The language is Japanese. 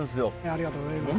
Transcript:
ありがとうございます。